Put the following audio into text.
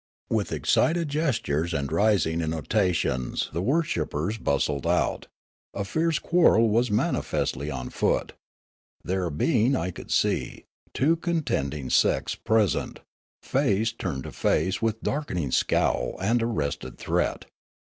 With excited gestures and rising intonations the wor shippers bustled out ; a fierce quarrel was manifestly on foot, there being, I could see, two contending sects present ; face turned to face with darkening scowl and arrested threat.